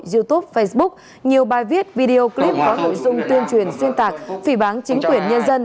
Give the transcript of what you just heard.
youtube facebook nhiều bài viết video clip có nội dung tuyên truyền xuyên tạc phỉ bán chính quyền nhân dân